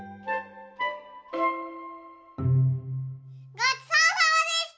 ごちそうさまでした！